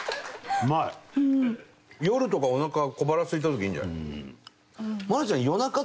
夜とかおなか小腹すいた時いいんじゃない？